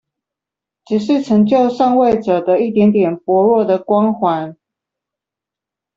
只是成就上位者的一點點薄弱的光環